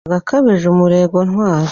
Ndumva akajije umurego Ntwari